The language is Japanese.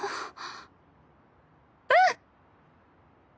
うん！